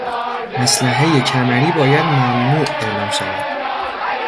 اسلحهی کمری باید ممنوع اعلام شود.